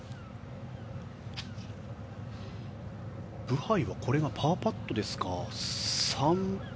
ブハイはこれがパーパットですか。